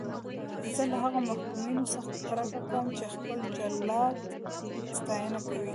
زه له هغو محکومینو څخه کرکه کوم چې خپل جلاد ستاینه کوي.